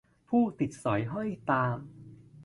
ผู้ติดสอยห้อยตาม